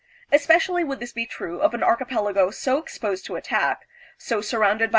Especially would this be true of an archipelago so exposed to attack, so surrounded by .